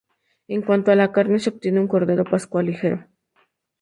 En cuanto a la carne, se obtiene un cordero pascual ligero.